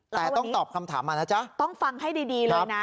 แต่ต้องตอบคำถามมานะจ๊ะต้องฟังให้ดีเลยนะ